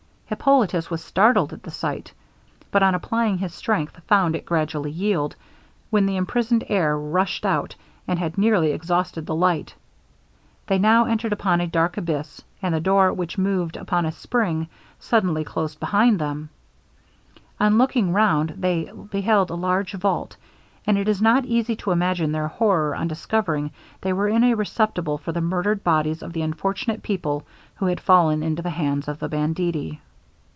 Hippolitus was startled at the sight, but on applying his strength found it gradually yield, when the imprisoned air rushed out, and had nearly extinguished the light. They now entered upon a dark abyss; and the door which moved upon a spring, suddenly closed upon them. On looking round they beheld a large vault; and it is not easy to imagine their horror on discovering they were in a receptacle for the murdered bodies of the unfortunate people who had fallen into the hands of the banditti.